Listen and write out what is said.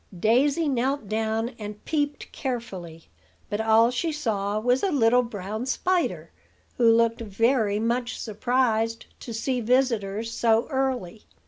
Daisy knelt down and peeped carefully; but all she saw was a little brown spider, who looked very much surprised to see visitors so early.